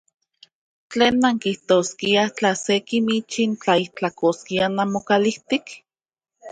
¿Tlen nankijtoskiaj tla se kimichi tlaijtlakoskia nokalijtik?